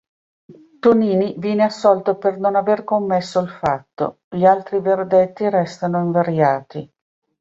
Tonini viene assolto per non aver commesso il fatto; gli altri verdetti restano invariati.